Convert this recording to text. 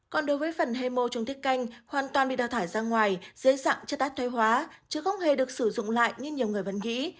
còn đối với phần hemo trong tiết canh hoàn toàn bị đào thải ra ngoài dễ dặn chất ác thuê hóa chứ không hề được sử dụng lại như nhiều người vẫn nghĩ